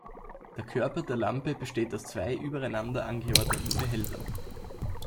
Der Körper der Lampe besteht aus zwei übereinander angeordneten Behältern.